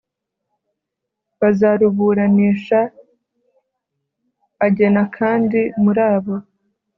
bazaruburanisha agena kandi muri abo